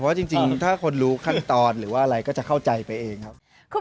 ผมไม่ค่อยรู้สึกอะไรเวลาโดนบ่าร้องไห้ครับ